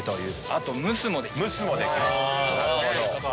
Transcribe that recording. あと薫製もできます。